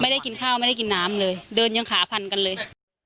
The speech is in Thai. ไม่ได้กินข้าวไม่ได้กินน้ำเลยเดินยังขาพันกันเลย